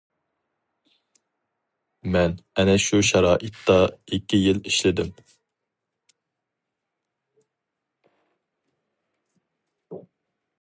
مەن ئەنە شۇ شارائىتتا ئىككى يىل ئىشلىدىم.